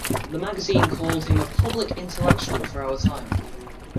The magazine called him a public intellectual of our time.